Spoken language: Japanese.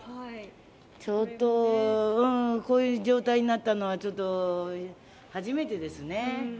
ちょっと、うん、こういう状態になったのは初めてですね。